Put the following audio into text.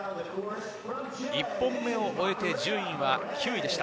１本目を終えて９位でした。